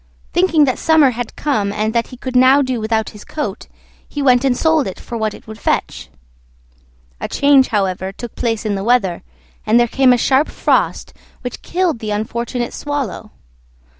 Thinking that summer had come, and that he could now do without his coat, he went and sold it for what it would fetch. A change, however, took place in the weather, and there came a sharp frost which killed the unfortunate Swallow.